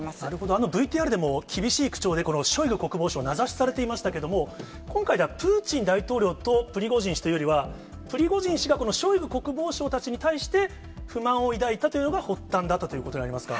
あのＶＴＲでも厳しい口調で、このショイグ国防相、名指しされていましたけれども、今回だとプーチン大統領とプリゴジン氏というよりは、プリゴジン氏が、このショイグ国防相たちに対して、不満を抱いたというのが発端だったということになりますか。